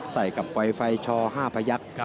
ใส่กับไฟไฟชอ๕พยักซ์